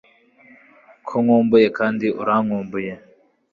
ko nkumbuye kandi urankumbuye